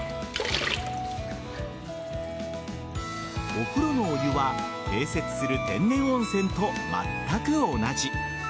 お風呂のお湯は併設する天然温泉とまったく同じ。